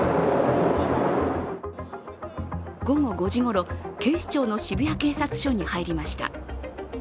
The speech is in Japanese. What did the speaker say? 午後５時ごろ、警視庁の渋谷警察署に入りました。